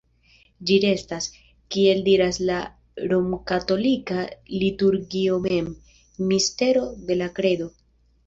Ĝi restas, kiel diras la romkatolika liturgio mem, "mistero de la kredo".